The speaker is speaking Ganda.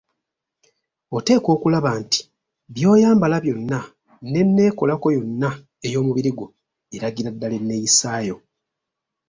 Oteekwa okulaba nti by'oyambala byonna n‘enneekolako yonna ey‘omubiri gwo eragira ddala enneeyisaayo.